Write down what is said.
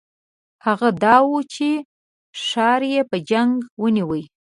هغه د اوچه ښار په جنګ ونیوی.